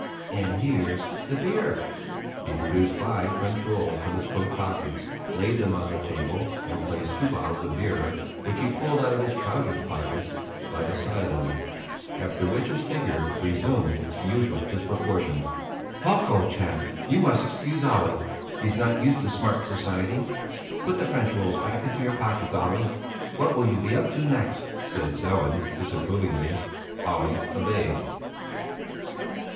And here's the beer!" He produced five French rolls from his coat pockets, laid them on the table, and placed two bottles of beer, which he pulled out of his trousers pockets, by the side of them, after which his figure resumed its usual disproportions. "Falk, old chap, you must excuse Olle; he's not used to smart society. Put the French rolls back into your pockets, Olle! What will you be up to next?" said Sellén disapprovingly. Olle obeyed.